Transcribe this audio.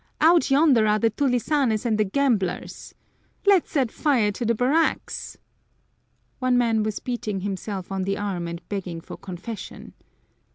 Out yonder are the tulisanes and the gamblers. Let's set fire to the barracks!" One man was beating himself on the arm and begging for confession.